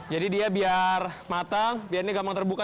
jadi dia biar matang biar ini gampang terbuka